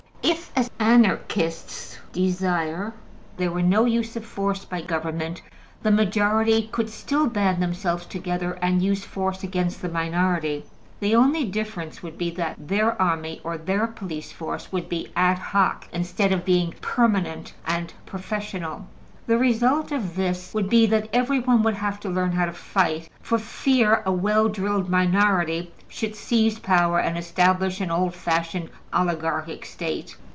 If, as Anarchists desire, there were no use of force by government, the majority could still band themselves together and use force against the minority. The only difference would be that their army or their police force would be ad hoc, instead of being permanent and professional. The result of this would be that everyone would have to learn how to fight, for fear a well drilled minority should seize power and establish an old fashioned oligarchic State.